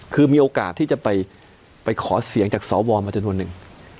คือมีโอกาสที่จะไปขอเสียงจากสวมาจำนวนหนึ่ง